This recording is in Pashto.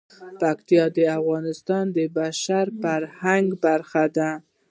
پکتیا د افغانستان د بشري فرهنګ برخه ده.